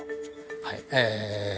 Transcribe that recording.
はいえ